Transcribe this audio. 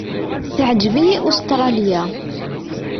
Teɛǧeb-iyi Ustṛalya.